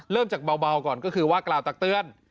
เริ่มจากเบาก่อนก็คือว่ากล่าวตักเตือน